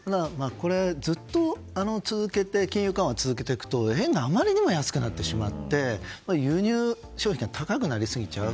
ずっと金融緩和を続けていくと円があまりにも安くなってしまって輸入商品が高くなりすぎちゃう。